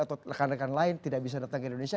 atau rekan rekan lain tidak bisa datang ke indonesia